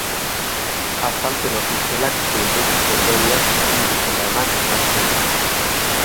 Azalpen ofizialak behin-betiko ondorioak ezin dutela eman onartzen du.